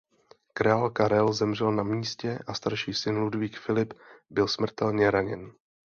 Král Karel zemřel na místě a starší syn Ludvík Filip byl smrtelně raněn.